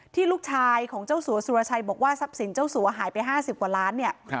ลูกชายของเจ้าสัวสุรชัยบอกว่าทรัพย์สินเจ้าสัวหายไป๕๐กว่าล้านเนี่ย